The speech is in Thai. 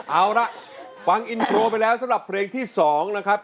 เอาล่ะฟังอินโทรไปแล้วสำหรับเพลงที่๒นะครับ